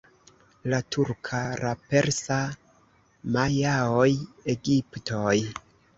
La turka, la persa, majaoj, egiptoj.